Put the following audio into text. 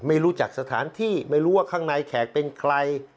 ไม่รู้จักสถานที่ไม่รู้ว่าข้างในแขกเป็นใคร